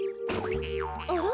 あら？